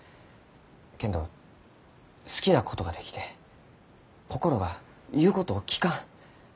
けんど好きなことができて心が言うことを聞かん。